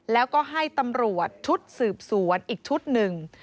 แล้วก็ให้ตำรวจชุดสืบสวนอีกชุดหนึ่ง